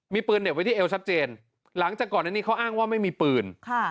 มีปืนเหน็บไว้ที่เอวชัดเจนหลังจากก่อนอันนี้เขาอ้างว่าไม่มีปืน